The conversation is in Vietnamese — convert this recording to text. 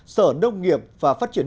sở đông nghiệp và phát triển